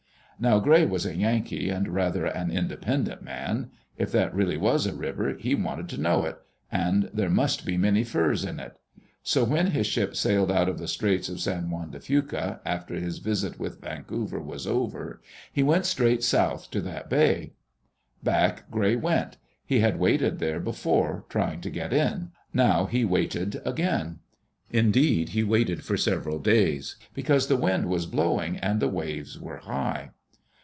Now Gray was a Yankee, and rather an independent man. If that really was a river, he wanted to know it; and there must be many furs in it. So when his ship sailed out of the Straits of San Juan de Fuca, after his visit with Vancouver was over, he went straight south to that bay. ^, Digitized by VjOOQ IC EARLY DAYS IN OLD OREGON Back Gray went. He had waited there before, trying to get in; now he waited again. Indeed he waited for several days, because the wind was blowing and the waves were high.